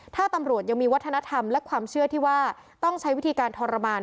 ถ้าตำรวจยังมีวัฒนธรรมและความเชื่อที่ว่าต้องใช้วิธีการทรมาน